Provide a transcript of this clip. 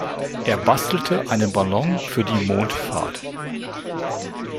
Er bastelt einen Ballon für die Mondfahrt.